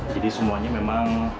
jadi semuanya memang